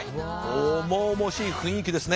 重々しい雰囲気ですね。